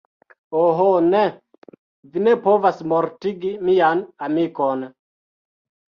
Oh ne! Vi ne povas mortigi mian amikon!